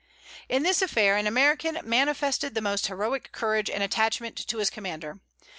In this affair an American manifested the most heroic courage and attachment to his commander.